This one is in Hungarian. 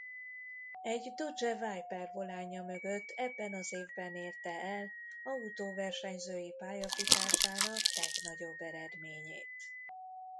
Egy Dodge Viper volánja mögött ebben az évben érte el autóversenyzői pályafutásának legnagyobb eredményét.